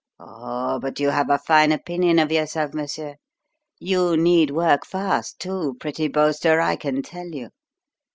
Oho, but you have a fine opinion of yourself, monsieur. You need work fast, too, pretty boaster, I can tell you.